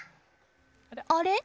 あれ？